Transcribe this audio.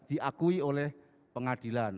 diakui oleh pengadilan